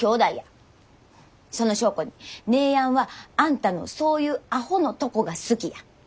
その証拠に姉やんはあんたのそういうアホのとこが好きや。